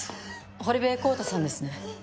堀部康太さんですね？